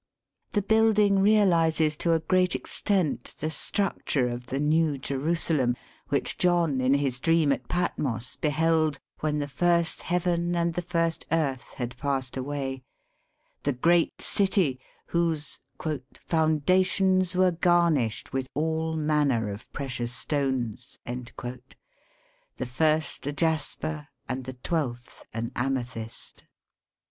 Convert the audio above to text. The bmlding realizes to a great extent the structure of the New Jerusalem, which John in his dream at Patmos beheld, when the first heaven and the first earth had passed away — the great city whose " foundations were garnished with all manner of precious stones," the first a jasper and the twelfth an amethyst.